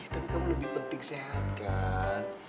tapi kamu lebih penting sehat kan